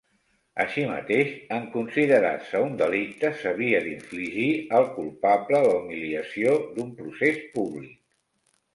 Així mateix en considerar-se un delicte s'havia d'infligir al culpable la humiliació d'un procés públic.